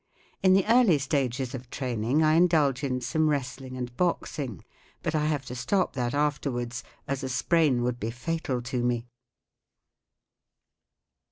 In the early stages of training I indulge in some wrestling and boxing, but I have to stop that afterwards, as a sprain would be fatal to me.